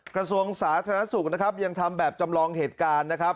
กระทรวงสาธารณสุขนะครับยังทำแบบจำลองเหตุการณ์นะครับ